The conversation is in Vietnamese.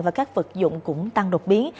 và các vật dụng cũng tăng đột biến